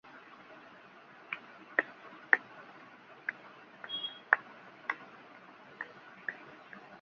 বর্তমানে তিনি ওয়েস্টমিনস্টার বিশ্ববিদ্যালয়ের রাজনীতি ও আন্তর্জাতিক সম্পর্ক বিভাগের একজন সহযোগী অধ্যাপক হিসেবে দায়িত্ব পালন করছেন।